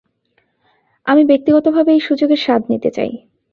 আমি, ব্যক্তিগতভাবে, এই সুযোগের স্বাদ নিতে চাই।